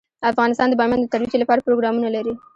افغانستان د بامیان د ترویج لپاره پروګرامونه لري.